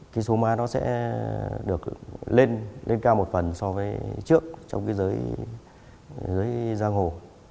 cái số ma nó sẽ được lên cao một phần so với trước trong cái giới giang hồ